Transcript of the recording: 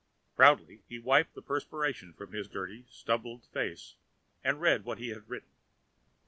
Proudly he wiped the perspiration from his dirty stubbled face and read what he had written.